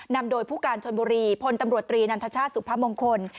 นำโดยผู้การชนบุรีพลตำรวจตรีนันทชาติสุพมงคล